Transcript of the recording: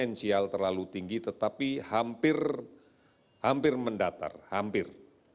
esensial terlalu tinggi tetapi hampir mendatar hampir